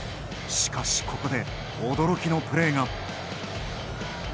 しかし、ここで驚きのプレーが。